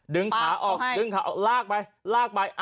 ดึงขาออกลากไปลากไป